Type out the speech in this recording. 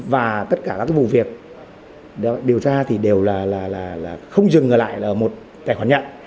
và tất cả các vụ việc điều tra thì đều là không dừng ở lại là ở một tài khoản nhận